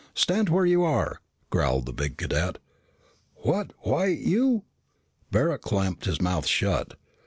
"Stand where you are!" growled the big cadet. "What, why you " Barret clamped his mouth shut.